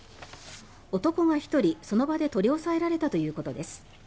男が１人その場で取り押さえられたということです。